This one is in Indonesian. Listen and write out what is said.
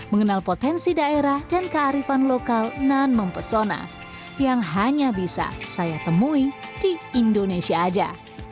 mengenal potensi daerah dan kearifan lokal nan mempesona yang hanya bisa saya temui di indonesia saja